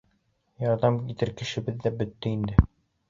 — Ярҙам итер кешебеҙ ҙә бөттө инде.